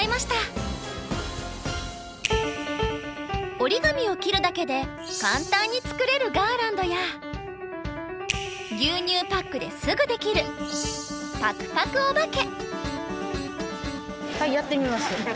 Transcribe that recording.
おりがみを切るだけで簡単に作れるガーランドや牛乳パックですぐできる「パクパクおばけ」。